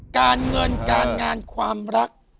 การเงินการงานความรัก